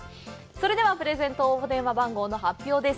それではプレゼント応募電話番号の発表です。